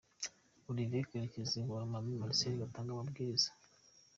Olivier Karekezi na Lomami Marcel batanga amabwiriza.